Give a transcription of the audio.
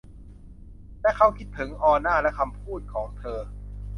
และเขาคิดถึง ออน่าและคำพูดของเธอ